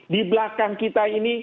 di belakang kita ini